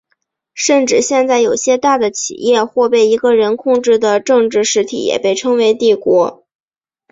甚至现在有些大的企业或被一个人控制的政治实体也被称为帝国。